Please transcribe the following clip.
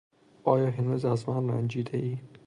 آیا هنوز از من رنجیدهای؟